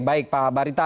baik pak barita